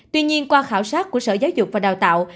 tuy nhiên qua khảo sát của sở giáo dục và đào tạo